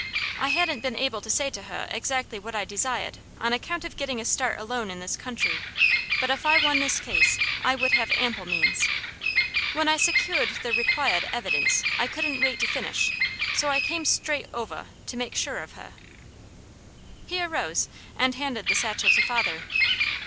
I hadn't been able to say to heh exactly what I desiahed, on account of getting a start alone in this country; but if I won this case, I would have ample means. When I secuahed the requiahed evidence, I couldn't wait to finish, so I came straight ovah, to make sure of heh." He arose and handed the satchel to father.